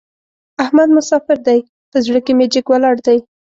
احمد مساپر دی؛ په زړه کې مې جګ ولاړ دی.